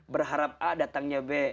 berharap a datangnya b